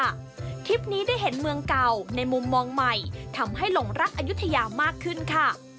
ทริปนี้ได้เห็นเมืองเก่าในมุมมองใหม่ทำให้หลงรักอายุทยามากขึ้นค่ะ